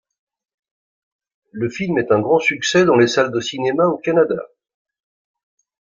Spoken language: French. Le film est un grand succès dans les salles de cinéma au Canada.